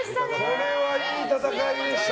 これはいい戦いでした。